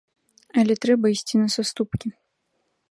Але трэба ісці на саступкі.